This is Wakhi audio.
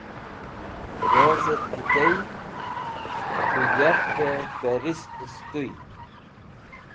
Rozit ki tey k̃hũ yarkẽ fẽristẽ sẽtũy.